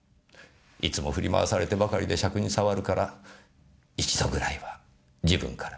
いつも振り回されてばかりで癪にさわるから一度ぐらいは自分から。